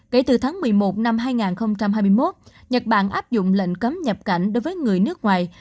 kể từ tháng một mươi một năm hai nghìn hai mươi một nhật bản áp dụng lệnh cấm nhập cảnh đối với người nước ngoài